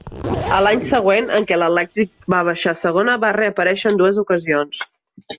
A l'any següent, en què l'Atlètic va baixar a Segona, va reaparèixer en dues ocasions.